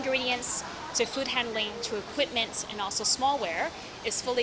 dari pengurusan makanan ke pengurusan makanan ke peralatan dan juga peralatan kecil